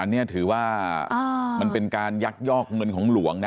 อันนี้ถือว่ามันเป็นการยักยอกเงินของหลวงนะ